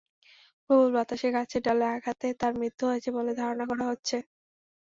প্রবল বাতাসে গাছের ডালের আঘাতে তাঁর মৃত্যু হয়েছে বলে ধারণা করা হচ্ছে।